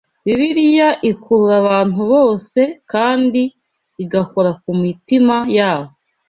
Bibiliya ikurura abantu bose kandi igakora ku mitima yabo